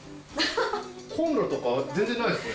コンロとか全然ないですね。